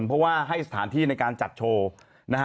เพราะว่าให้สถานที่ในการจัดโชว์นะฮะ